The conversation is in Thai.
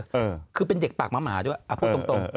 เออคือเป็นเด็กปากหมาด้วยพูดตรง